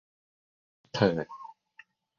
เถิด